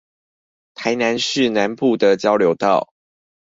臺南市南部的交流道